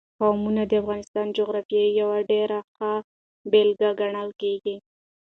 قومونه د افغانستان د جغرافیې یوه ډېره ښه بېلګه ګڼل کېږي.